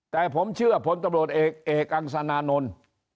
แต่ผมเชื่อผลตำรวจเอกเอกอังสนานนท์